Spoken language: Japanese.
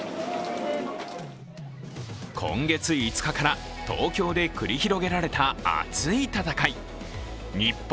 今月５日から東京で繰り広げられた熱い戦い日本